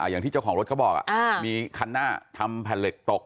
อย่างที่เจ้าของรถเขาบอกมีคันหน้าทำแผ่นเหล็กตก